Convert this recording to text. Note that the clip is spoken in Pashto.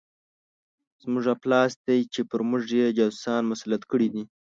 زموږ افلاس دی چې پر موږ یې جاسوسان مسلط کړي دي.